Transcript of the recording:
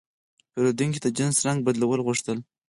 پیرودونکی د جنس رنګ بدلول غوښتل.